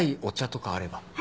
お茶とかあれば。